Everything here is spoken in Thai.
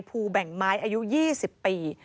ภูแบ่งไม้อายุ๒๐ปี